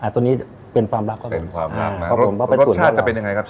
อ่าตัวนี้เป็นความลับก็เป็นเป็นความลับนะครับผมรสชาติจะเป็นยังไงครับ